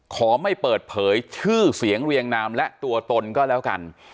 ขอไม่เปิดเผยชื่อเสียงเรียงนามและตัวตนก็แล้วกัน